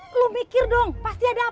harusnya temen di telepon gak diangkat angkat